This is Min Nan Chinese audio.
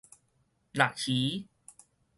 臘魚